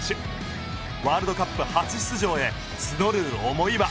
ワールドカップ初出場へ募る思いは。